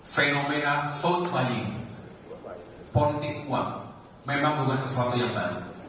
fenomena food money politik uang memang bukan sesuatu yang tadi